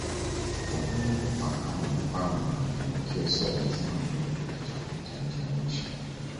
Muhimu kufahamu ni kwamba mafanikio sio lazima uende kuyatafuta nje ya nchi